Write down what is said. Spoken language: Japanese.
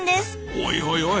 おいおい